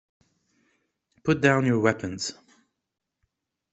Put down your weapons.